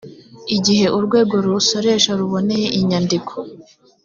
igihe urwego rusoresha ruboneye inyandiko